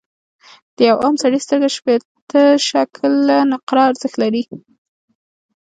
د یوه عام سړي سترګه شپیته شِکِل نقره ارزښت لري.